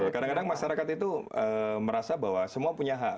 kadang kadang masyarakat itu merasa bahwa semua punya hak